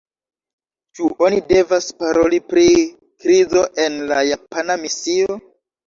Ĉu oni devas paroli pri krizo en la japana misio?